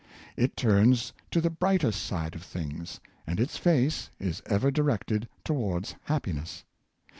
It turns to the brightest side of things, and its face is ever directed towards happiness.